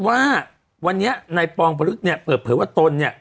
ว่าวันเนี้ยในปรองผลพลึกเนี่ยเปิดเผยว่าตน